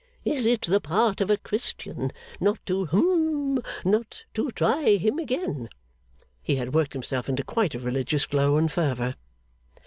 Is it the part of a Christian not to hum not to try him again?' He had worked himself into quite a religious glow and fervour.